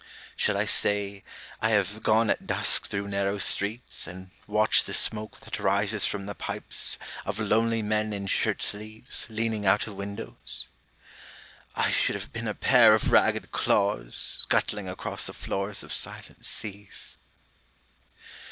Shall I say, I have gone at dusk through narrow streets And watched the smoke that rises from the pipes Of lonely men in shirt sleeves, leaning out of windows? ... I should have been a pair of ragged claws Scuttling across the floors of silent seas.